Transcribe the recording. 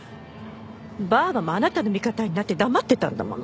ばあばもあなたの味方になって黙ってたんだもの。